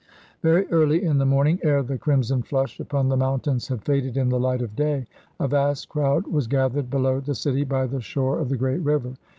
Very early in the morning, ere the crimson flush upon the mountains had faded in the light of day, a vast crowd was gathered below the city, by the shore of the great river.